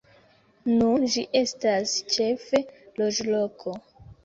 Nun ĝi estas ĉefe loĝloko.